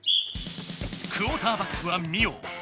クオーターバックはミオ。